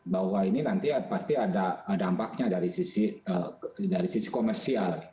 bahwa ini nanti pasti ada dampaknya dari sisi komersial